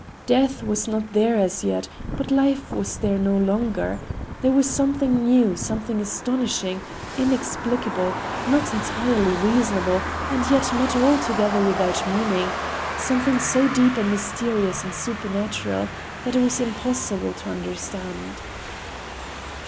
Death was not there as yet, but life was there no longer,—there was something new, something astonishing, inexplicable, not entirely reasonable and yet not altogether without meaning,—something so deep and mysterious and supernatural that it was impossible to understand.